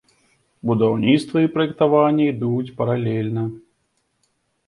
Будаўніцтва і праектаванне ідуць паралельна.